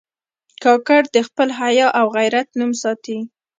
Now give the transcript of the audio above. کاکړ د خپل حیا او غیرت نوم ساتي.